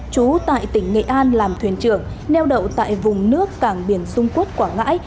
chú tại tỉnh nghệ an làm thuyền trưởng neo đậu tại vùng nước cảng biển dung quốc quảng ngãi